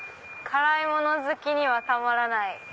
辛いもの好きにはたまらない。